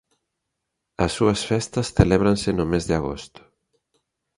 As súas festas celébranse no mes de agosto.